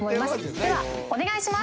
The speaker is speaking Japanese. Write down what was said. ではお願いします。